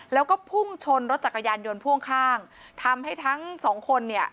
แล้วก็พุ่งชนรถจักรยานยนต์พ่วงข้างทำให้ทั้งสองคนเนี่ย